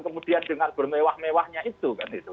kemudian dengar bermewah mewahnya itu kan itu